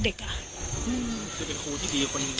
คือเป็นครูที่ดีคนหนึ่ง